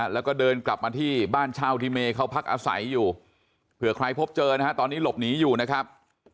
แล้วก็เดินกลับมาที่บ้านเช่าที่เมย์เขาพักอาศัยอยู่เผื่อใครพบเจอนะฮะตอนนี้หลบหนีอยู่นะครับ